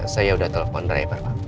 saya sudah telepon driver pak